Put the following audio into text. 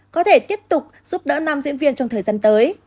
có thể tiếp tục giúp đỡ nam diễn viên trong thời gian tới